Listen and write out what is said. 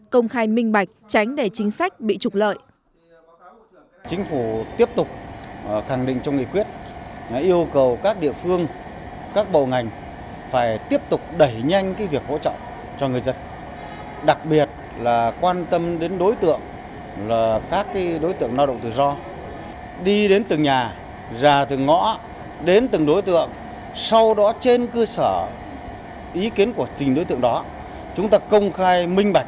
cùng mặt trận công khai minh bạch tránh để chính sách bị trục lợi